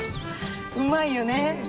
うまいよね。